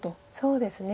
そうですね。